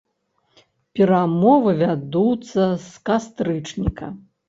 Перамовы вядуцца з кастрычніка.